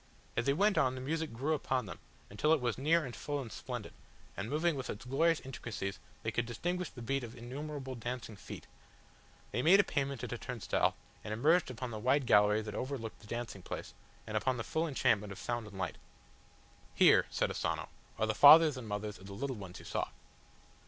As they went on the music grew upon them, until it was near and full and splendid, and, moving with its glorious intricacies they could distinguish the beat of innumerable dancing feet. They made a payment at a turnstile, and emerged upon the wide gallery that overlooked the dancing place, and upon the full enchantment of sound and sight. "Here," said Asano, "are the fathers and mothers of the little ones you saw."